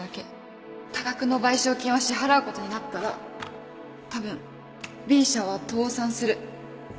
多額の賠償金を支払うことになったらたぶん Ｂ 社は倒産する